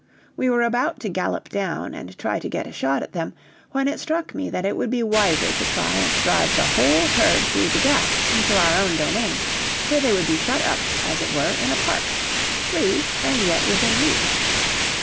We were about to gallop down and try to get a shot at them, when it struck me that it would be wiser to try and drive the whole herd through the Gap into our own domain, where they would be shut up, as it were, in a park, free and yet within reach.